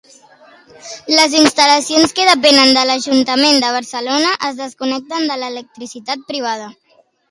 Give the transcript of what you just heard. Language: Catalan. Les instal·lacions que depenen de l'Ajuntament de Barcelona es desconnecten de l'electricitat privada.